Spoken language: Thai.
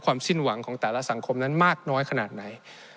สิ้นหวังของแต่ละสังคมนั้นมากน้อยขนาดไหน